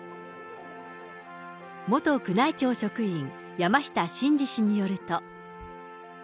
元宮内庁職員、山下晋司氏によると。